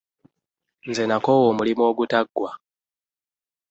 Nze nakoowa omulimu ogutaggwa.